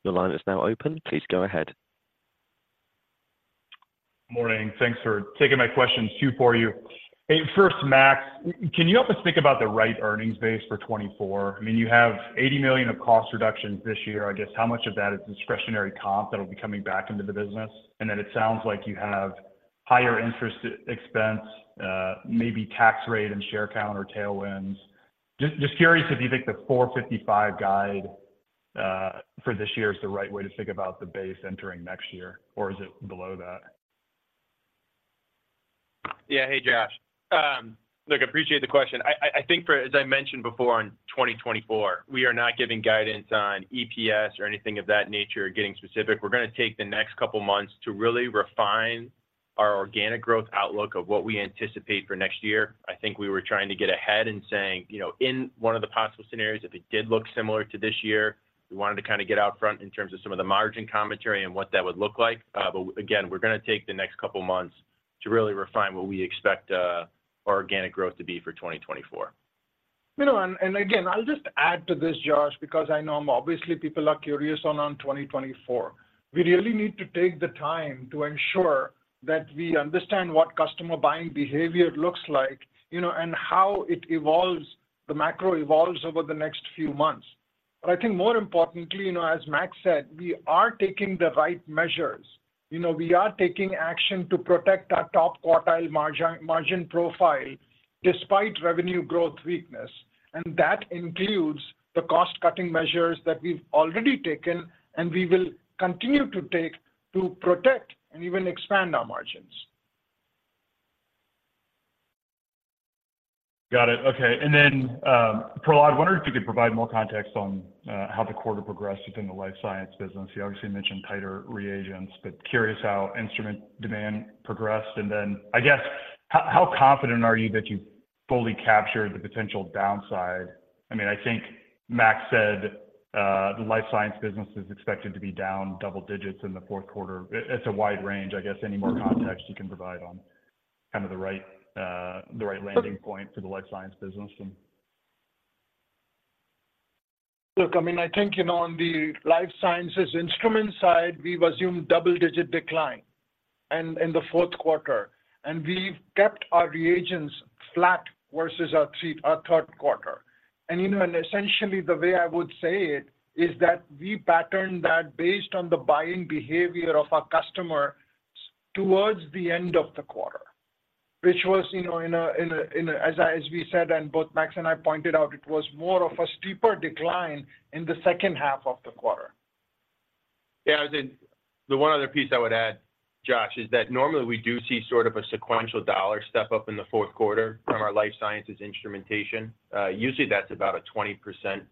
Your line is now open. Please go ahead. Morning. Thanks for taking my questions. Two for you. Hey, first, Max, can you help us think about the right earnings base for 2024? I mean, you have $80 million of cost reductions this year. I guess, how much of that is discretionary comp that will be coming back into the business? And then it sounds like you have higher interest expense, maybe tax rate and share count or tailwinds. Just curious if you think the $4.55 guide for this year is the right way to think about the base entering next year, or is it below that? Yeah. Hey, Josh. Look, I appreciate the question. I think for as I mentioned before, on 2024, we are not giving guidance on EPS or anything of that nature, getting specific. We're going to take the next couple of months to really refine our organic growth outlook of what we anticipate for next year. I think we were trying to get ahead in saying, you know, in one of the possible scenarios, if it did look similar to this year, we wanted to kind of get out front in terms of some of the margin commentary and what that would look like. But again, we're going to take the next couple of months to really refine what we expect, our organic growth to be for 2024. You know, and, and again, I'll just add to this, Josh, because I know obviously people are curious on, on 2024. We really need to take the time to ensure that we understand what customer buying behavior looks like, you know, and how it evolves, the macro evolves over the next few months. But I think more importantly, you know, as Max said, we are taking the right measures. You know, we are taking action to protect our top-quartile margin, margin profile despite revenue growth weakness, and that includes the cost-cutting measures that we've already taken and we will continue to take to protect and even expand our margins. Got it. Okay. And then, Prahlad, I wonder if you could provide more context on how the quarter progressed within the life science business. You obviously mentioned tighter reagents, but curious how instrument demand progressed. And then, I guess, how confident are you that you've fully captured the potential downside? I mean, I think Max said the life science business is expected to be down double digits in the fourth quarter. It's a wide range, I guess, any more context you can provide on kind of the right landing point for the life science business and- Look, I mean, I think, you know, on the life sciences instrument side, we've assumed double-digit decline in the fourth quarter, and we've kept our reagents flat versus our third quarter. And, you know, and essentially, the way I would say it is that we patterned that based on the buying behavior of our customers towards the end of the quarter, which was, you know, as we said, and both Max and I pointed out, it was more of a steeper decline in the second half of the quarter. Yeah, I think the one other piece I would add, Josh, is that normally we do see sort of a sequential dollar step up in the fourth quarter from our life sciences instrumentation. Usually, that's about a 20%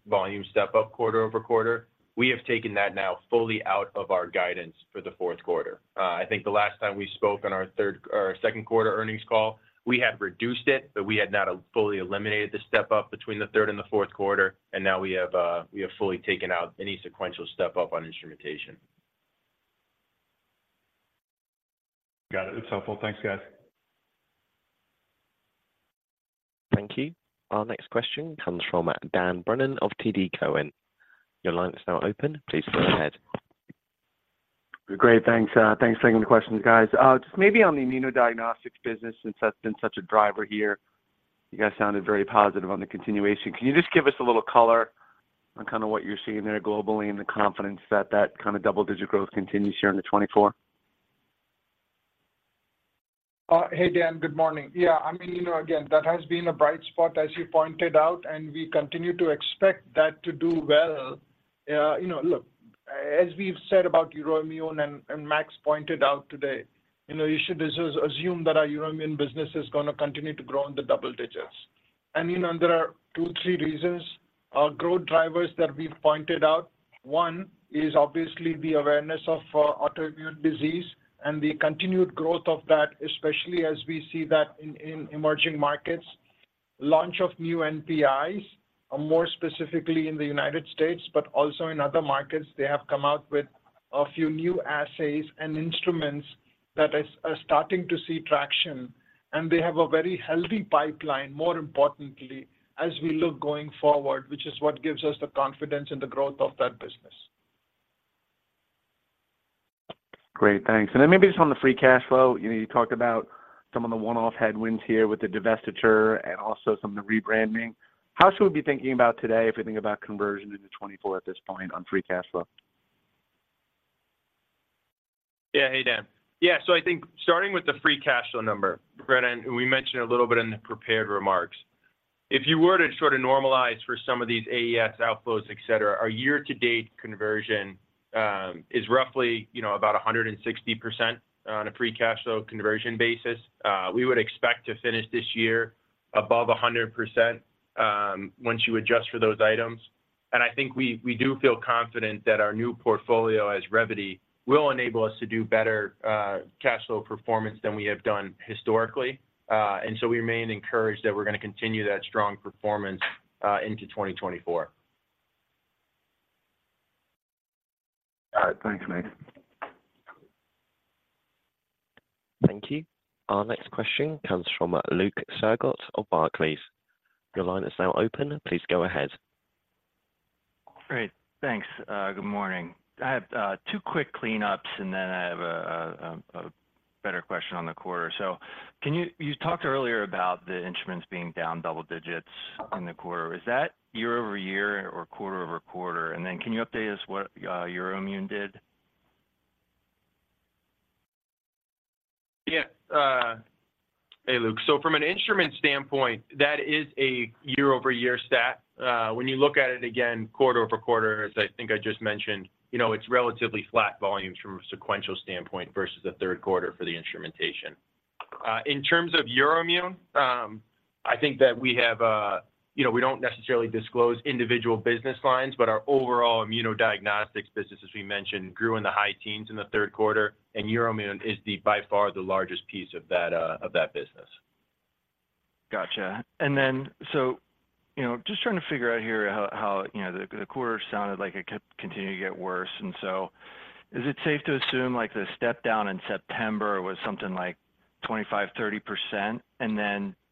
volume step up quarter-over-quarter. We have taken that now fully out of our guidance for the fourth quarter. I think the last time we spoke on our second quarter earnings call, we had reduced it, but we had not fully eliminated the step up between the third and the fourth quarter, and now we have fully taken out any sequential step up on instrumentation. Got it. It's helpful. Thanks, guys. Thank you. Our next question comes from Dan Brennan of TD Cowen. Your line is now open. Please go ahead. Great, thanks, thanks for taking the questions, guys. Just maybe on the Immunodiagnostics business, since that's been such a driver here, you guys sounded very positive on the continuation. Can you just give us a little color on kind of what you're seeing there globally and the confidence that that kind of double-digit growth continues here in 2024? Hey, Dan. Good morning. Yeah, I mean, you know, again, that has been a bright spot, as you pointed out, and we continue to expect that to do well. You know, look, as we've said about Euroimmun, and Max pointed out today, you know, you should just assume that our Euroimmun business is going to continue to grow in the double digits. And, you know, there are two, three reasons or growth drivers that we've pointed out. One is obviously the awareness of autoimmune disease and the continued growth of that, especially as we see that in emerging markets. Launch of new NPIs, more specifically in the United States, but also in other markets. They have come out with a few new assays and instruments that are starting to see traction, and they have a very healthy pipeline, more importantly, as we look going forward, which is what gives us the confidence in the growth of that business. Great, thanks. And then maybe just on the free cash flow, you know, you talked about some of the one-off headwinds here with the divestiture and also some of the rebranding. How should we be thinking about today, if we think about conversion into 2024 at this point on free cash flow? Yeah. Hey, Dan. Yeah, so I think starting with the free cash flow number, Dan, and we mentioned a little bit in the prepared remarks. If you were to sort of normalize for some of these AES outflows, et cetera, our year-to-date conversion is roughly, you know, about 160% on a free cash flow conversion basis. We would expect to finish this year above 100%, once you adjust for those items. And I think we, we do feel confident that our new portfolio, as Revvity, will enable us to do better, cash flow performance than we have done historically. And so we remain encouraged that we're going to continue that strong performance, into 2024. All right, thanks, Max. Thank you. Our next question comes from Luke Sergott of Barclays. Your line is now open. Please go ahead. Great. Thanks, good morning. I have two quick cleanups, and then I have a better question on the quarter. So can you. You talked earlier about the instruments being down double digits in the quarter. Is that year-over-year or quarter-over-quarter? And then can you update us what Euroimmun did? Yeah, hey, Luke. So from an instrument standpoint, that is a year-over-year stat. When you look at it again, quarter-over-quarter, as I think I just mentioned, you know, it's relatively flat volumes from a sequential standpoint versus the third quarter for the instrumentation. In terms of Euroimmun, I think you know, we don't necessarily disclose individual business lines, but our overall immunodiagnostics business, as we mentioned, grew in the high teens in the third quarter, and Euroimmun is the by far the largest piece of that, of that business. Gotcha. You know, just trying to figure out here how, how, you know, the quarter sounded like it kept continuing to get worse, and is it safe to assume, like, the step down in September was something like 25-30%?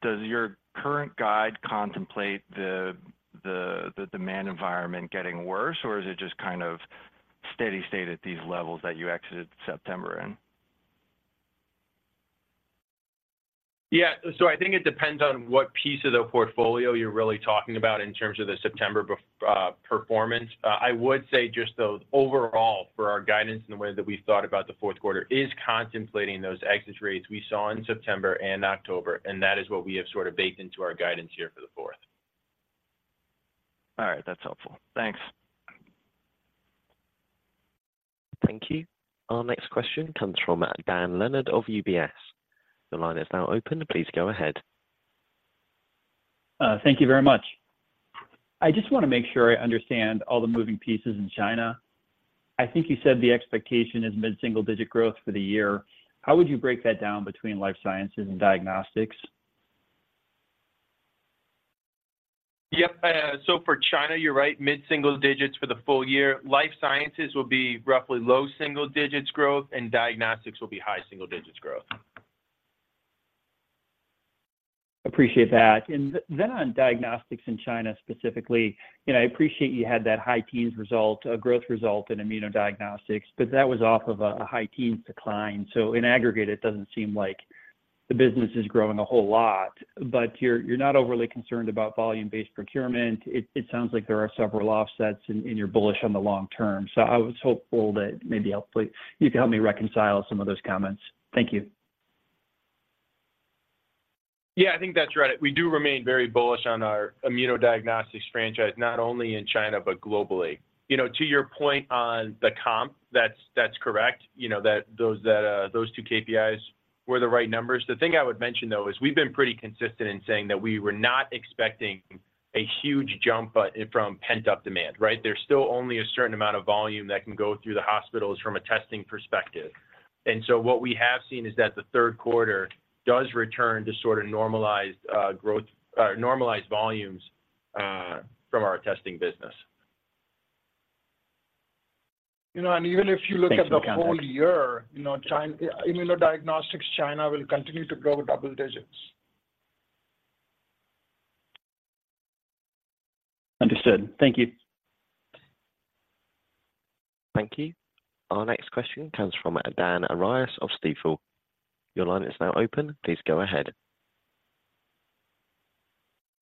Does your current guide contemplate the, the, the demand environment getting worse, or is it just kind of steady state at these levels that you exited September in? Yeah, so I think it depends on what piece of the portfolio you're really talking about in terms of the September performance. I would say just the overall for our guidance and the way that we've thought about the fourth quarter is contemplating those exit rates we saw in September and October, and that is what we have sort of baked into our guidance here for the fourth. All right, that's helpful. Thanks. Thank you. Our next question comes from Dan Leonard of UBS. The line is now open. Please go ahead. Thank you very much. I just want to make sure I understand all the moving pieces in China. I think you said the expectation is mid-single-digit growth for the year. How would you break that down between life sciences and diagnostics? Yep. So for China, you're right, mid-single digits for the full year. Life sciences will be roughly low single digits growth, and diagnostics will be high single digits growth. Appreciate that. On diagnostics in China specifically, you know, I appreciate you had that high teens result, a growth result in immunodiagnostics, but that was off of a high teens decline. In aggregate, it doesn't seem like the business is growing a whole lot, but you're not overly concerned about volume-based procurement. It sounds like there are several offsets, and you're bullish on the long term. I was hopeful that maybe you can help me reconcile some of those comments. Thank you. Yeah, I think that's right. We do remain very bullish on our immunodiagnostics franchise, not only in China, but globally. You know, to your point on the comp, that's correct. You know, those two KPIs were the right numbers. The thing I would mention, though, is we've been pretty consistent in saying that we were not expecting a huge jump from pent-up demand, right? There's still only a certain amount of volume that can go through the hospitals from a testing perspective. What we have seen is that the third quarter does return to sort of normalized growth, normalized volumes from our testing business. You know, and even if you look at the whole year Thanks for the context. You know, China, immunodiagnostics, China will continue to grow double digits. Understood. Thank you. Thank you. Our next question comes from Dan Arias of Stifel. Your line is now open. Please go ahead.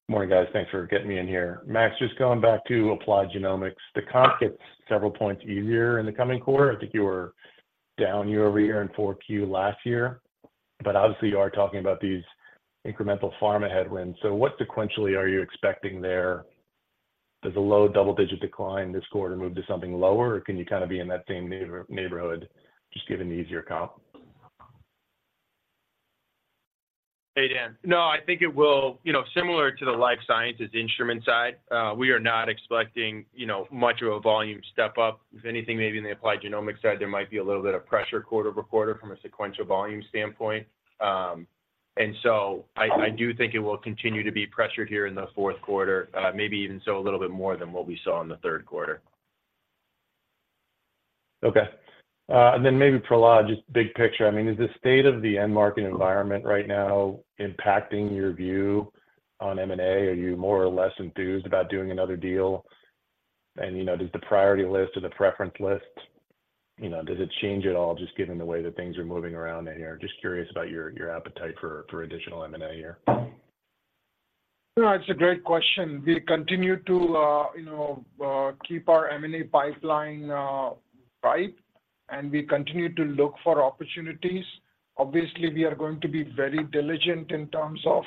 Morning, guys. Thanks for getting me in here. Max, just going back to Applied Genomics, the comp gets several points easier in the coming quarter. I think you were down year-over-year in Q4 last year, but obviously, you are talking about these incremental pharma headwinds. So what sequentially are you expecting there? Does a low double-digit decline this quarter move to something lower, or can you kind of be in that same neighborhood, just given the easier comp? Hey, Dan. No, I think it will, you know, similar to the life sciences instrument side, we are not expecting, you know, much of a volume step up. If anything, maybe in the Applied Genomics side, there might be a little bit of pressure quarter-over-quarter from a sequential volume standpoint. And so I do think it will continue to be pressured here in the fourth quarter, maybe even so a little bit more than what we saw in the third quarter. Okay. And then maybe for Prahlad, just big picture, I mean, is the state of the end market environment right now impacting your view on M&A? Are you more or less enthused about doing another deal? And, you know, does the priority list or the preference list, you know, does it change at all, just given the way that things are moving around in here? Just curious about your, your appetite for, for additional M&A here. No, it's a great question. We continue to, you know, keep our M&A pipeline ripe, and we continue to look for opportunities. Obviously, we are going to be very diligent in terms of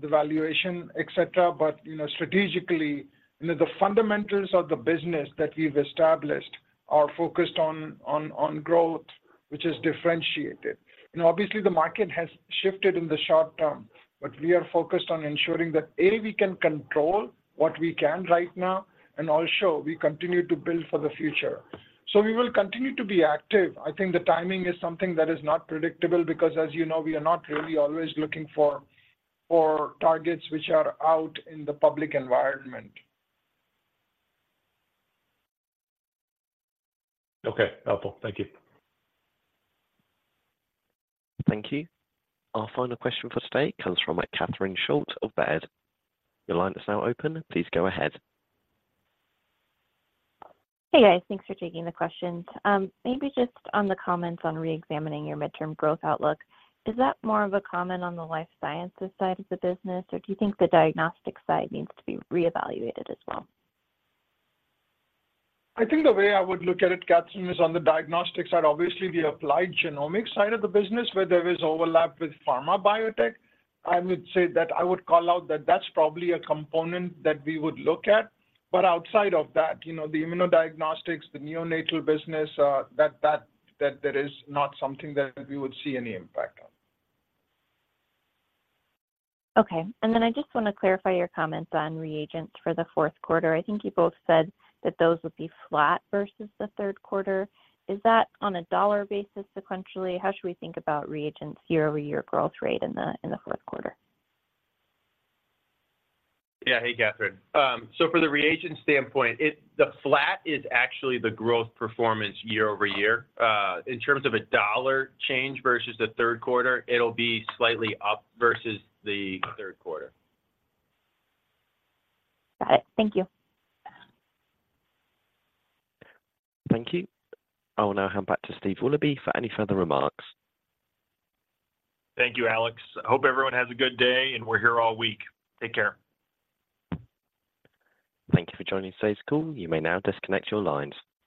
the valuation, et cetera. But, you know, strategically, you know, the fundamentals of the business that we've established are focused on growth, which is differentiated. You know, obviously, the market has shifted in the short term, but we are focused on ensuring that, A, we can control what we can right now, and also we continue to build for the future. So we will continue to be active. I think the timing is something that is not predictable because, as you know, we are not really always looking for targets which are out in the public environment. Okay, helpful. Thank you. Thank you. Our final question for today comes from Catherine Schulte of Baird. Your line is now open. Please go ahead. Hey, guys. Thanks for taking the questions. Maybe just on the comments on reexamining your midterm growth outlook, is that more of a comment on the life sciences side of the business, or do you think the diagnostic side needs to be reevaluated as well? I think the way I would look at it, Catherine, is on the diagnostics side. Obviously, the Applied Genomics side of the business, where there is overlap with pharma biotech, I would say that I would call out that that's probably a component that we would look at. But outside of that, you know, the immunodiagnostics, the neonatal business, that is not something that we would see any impact on. Okay, and then I just want to clarify your comments on reagents for the fourth quarter. I think you both said that those would be flat versus the third quarter. Is that on a dollar basis sequentially? How should we think about reagents year-over-year growth rate in the fourth quarter? Yeah. Hey, Catherine. Yeah, for the reagent standpoint, the flat is actually the growth performance year-over-year. In terms of a dollar change versus the third quarter, it'll be slightly up versus the third quarter. Got it. Thank you. Thank you. I will now hand back to Steve Willoughby for any further remarks. Thank you, Alex. I hope everyone has a good day, and we're here all week. Take care. Thank you for joining today's call. You may now disconnect your lines.